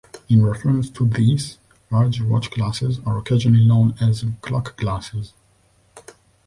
In reference to this, large watch glasses are occasionally known as clock glasses.